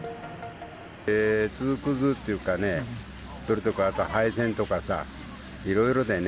鉄くずっていうかね、それとかあと配線とかさ、いろいろだよね。